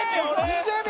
２０秒！